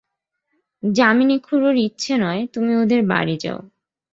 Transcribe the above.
যামিনী খুড়োর ইচ্ছে নয় তুমি ওদের বাড়ি যাও।